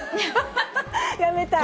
やめたい？